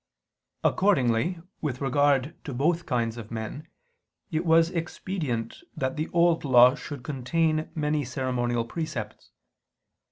Accordingly, with regard to both kinds of men it was expedient that the Old Law should contain many ceremonial precepts.